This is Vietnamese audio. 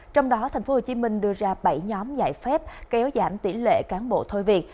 trong đó tp hcm đưa ra bảy nhóm giải phép kéo giảm tỷ lệ cán bộ thôi việc